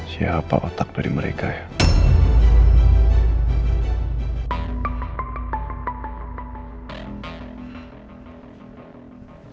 siapa otak dari mereka ya